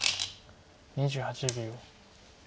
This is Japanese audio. ２８秒。